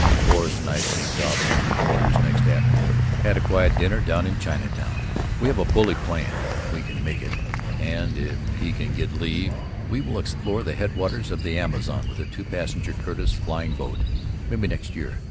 Forrest and I sneaked off from the reporters next afternoon, had quiet dinner down in Chinatown. We have a bully plan. If we can make it and if he can get leave we will explore the headwaters of the Amazon with a two passenger Curtiss flying boat, maybe next year.